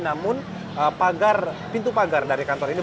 namun pintu pagar dari kantor ini